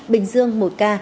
bình dương một ca